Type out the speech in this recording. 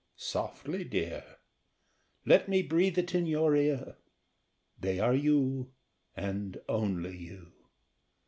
Softly, dear, Let me breathe it in your ear They are you, and only you.